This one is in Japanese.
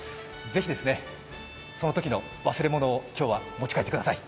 ぜひそのときの忘れ物を今日は持ち帰ってください。